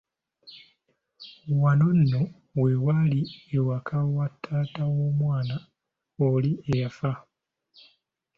Wano nno w'ewaali awaka wa taata w'omwana oli eyafa.